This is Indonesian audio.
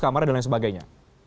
kamar dan lain sebagainya